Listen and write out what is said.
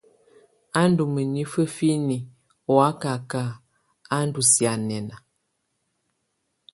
Ú ndú mǝnifǝ finiǝ́ ɔ́ wakaka ú ndú sianɛna.